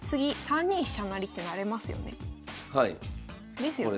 ですよね。